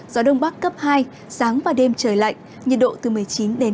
gió đông bắc cấp hai sáng và đêm trời lạnh nhiệt độ từ một mươi chín đến hai mươi bốn độ